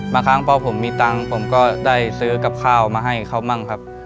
บางครั้งพอผมมีตังค์ผมก็ได้ซื้อกับข้าวมาให้เขามั่งครับ